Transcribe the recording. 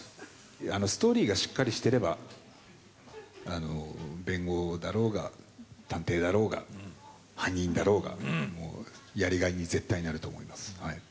ストーリーがしっかりしてれば弁護だろうが、探偵だろうが、犯人だろうが、もうやりがいに絶対なると思います。